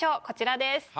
こちらです。